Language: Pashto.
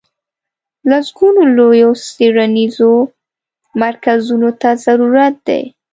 لسګونو لویو څېړنیزو مرکزونو ته ضرورت دی.